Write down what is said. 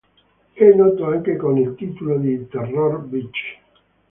È noto anche con il titolo di "Terror Beach".